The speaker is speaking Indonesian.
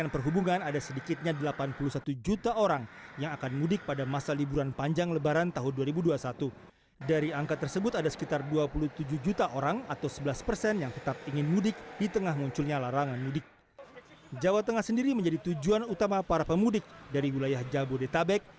jawa tengah sendiri menjadi tujuan utama para pemudik dari wilayah jabodetabek